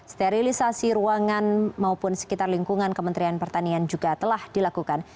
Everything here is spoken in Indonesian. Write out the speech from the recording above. sterilisasi ruangan maupun sekitar lingkungan kementerian pertanian juga telah dilakukan